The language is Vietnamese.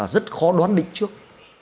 rất khó đoán định trước